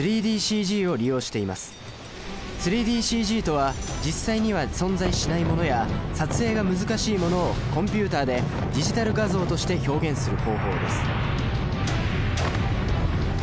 ３ＤＣＧとは実際には存在しないものや撮影が難しいものをコンピュータでディジタル画像として表現する方法です。